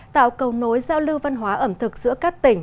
tạo cầu nối giao lưu văn hóa ẩm thực giữa các tỉnh